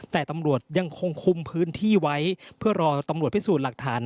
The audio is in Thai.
แต่ตำรวจยังคงคุมพื้นที่ไว้เพื่อรอตำรวจพิสูจน์หลักฐาน